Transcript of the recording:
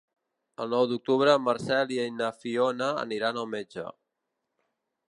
El nou d'octubre en Marcel i na Fiona aniran al metge.